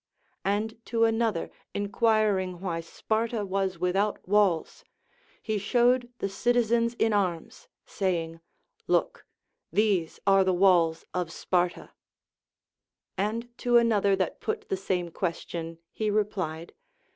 And to another enquiring Avhy Sparta was Avithout walls, he showed the citizens in arms, saving, Look, these are the walls of Sparta. And to another that ])ut the same question he replied.